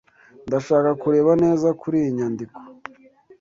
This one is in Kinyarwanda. Ndashaka kureba neza kuriyi nyandiko.